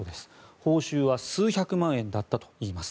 報酬は数百万円だったといいます。